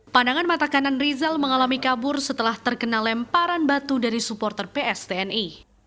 pandangan mata kanan rizal mengalami kabur setelah terkena lemparan batu dari supporter pstni